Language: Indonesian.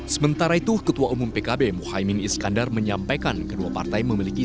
sementara itu ketua umum pkb muhaymin iskandar menyampaikan kedua partai memiliki